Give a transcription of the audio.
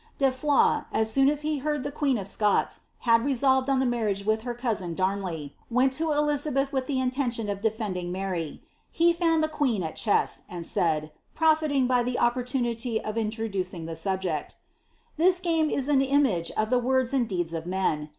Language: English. De Foys, as soon as be heard the queen of Scots had resolved on the marriage with her cousin Damley, went to Elizabeth with the intentioa of defending Mary ; he found the queen at chess, and said, profiting by the opportunity of introducing the subject, '* This game is an image et the words and deeds of men.